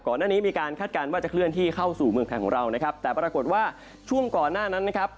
ก่อนหน้านี้มีการคาดการณ์ว่าจะเคลื่อนที่เข้าสู่เมืองไทยของเรานะครับแต่ปรากฏว่าช่วงก่อนหน้านั้นนะครับ